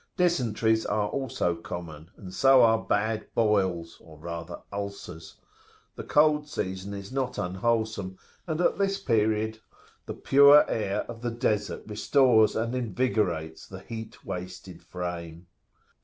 Dysenteries are also common, and so are bad boils, or rather ulcers. The cold season is not unwholesome, and at this period the [p.182] pure air of the Desert restores and invigorates the heat wasted frame."